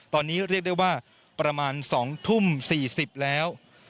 ตอนนี้เรียกได้ว่าประมาณ๒ทุ่ม๔๐แล้ว